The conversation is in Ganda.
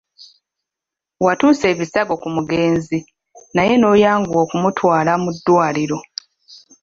Watuusa ebisago ku mugenzi naye n'oyanguwa okumutwala mu ddwaliro.